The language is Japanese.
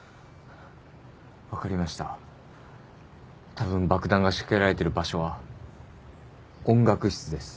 たぶん爆弾が仕掛けられてる場所は音楽室です。